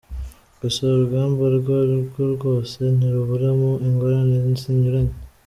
Gusa urugamba urwo arirwo rwose ntiruburamo ingorane zinyuranye.